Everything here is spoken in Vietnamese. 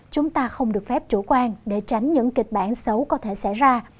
chúng ta không được phép chủ quan để tránh những kịch bản xấu có thể xảy ra